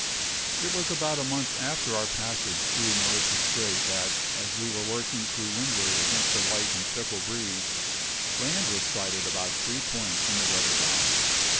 It was about a month after our passage through Maurissa Strait that, as we were working to windward against a light and fickle breeze, land was sighted about three points on the weather bow.